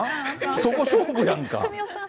そこ、勝負やんか。